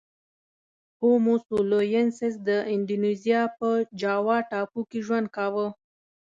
هومو سولوینسیس د اندونزیا په جاوا ټاپو کې ژوند کاوه.